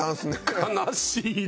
悲しいな。